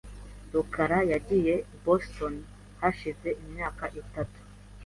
rukara yagiye i Boston hashize imyaka itatu .